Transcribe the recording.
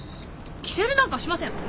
きせるなんかしません。